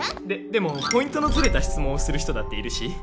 ででもポイントのずれた質問をする人だっているし。